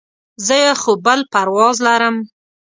زه خو بل پرواز لرم.